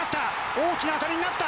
大きな当たりになった！